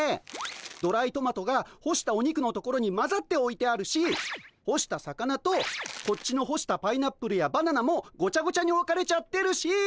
ドライトマトが干したお肉のところにまざっておいてあるし干した魚とこっちの干したパイナップルやバナナもごちゃごちゃにおかれちゃってるし。